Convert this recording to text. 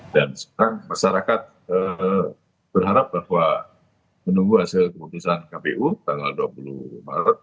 dan sekarang masyarakat berharap bahwa menunggu hasil keputusan kpu tanggal dua puluh maret